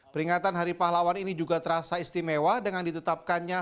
peringatan hari pahlawan ini juga terasa istimewa dengan ditetapkannya